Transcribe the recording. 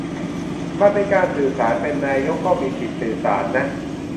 มันเป็นการสื่อสาร เป็นนายกก็มีสิทธิ์สื่อสารนะ